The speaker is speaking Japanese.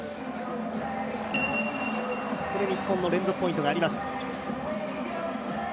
ここで日本の連続ポイントがあります。